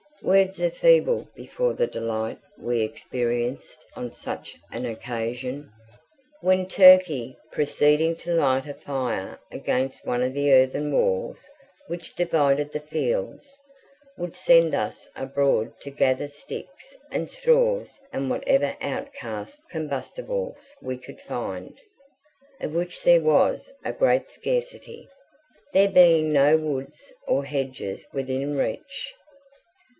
Words are feeble before the delight we experienced on such an occasion, when Turkey, proceeding to light a fire against one of the earthen walls which divided the fields, would send us abroad to gather sticks and straws and whatever outcast combustibles we could find, of which there was a great scarcity, there being no woods or hedges within reach.